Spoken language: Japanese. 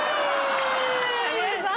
有吉さん